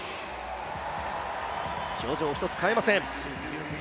表情一つ変えません。